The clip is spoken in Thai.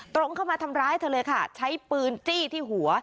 ตรงเข้ามาทำร้ายเธอเลยค่ะใช้ปืนจี้ที่หัว